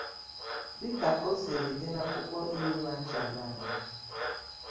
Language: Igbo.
dịka o siri dị n'akwụkwọ iwu na-achị ala anyị